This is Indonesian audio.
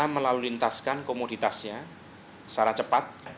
kita akan memperlintaskan komoditasnya secara cepat